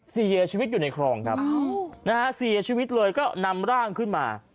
เสียชีวิตอยู่ในคลองครับนะฮะเสียชีวิตเลยก็นำร่างขึ้นมา